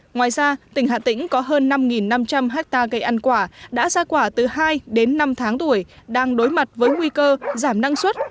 ngoài ra tỉnh hà tĩnh có hơn năm năm trăm linh hectare cây ăn quả đã ra quả từ hai đến năm tháng tuổi đang đối mặt với nguy cơ giảm năng suất